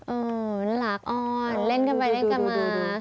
น่ารักอ้อนเล่นกันไปเล่นกันมา